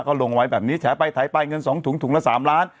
ก็ลงไว้แบบนี้แฉไปไถไปเงินสองถุงถุงละสามล้าน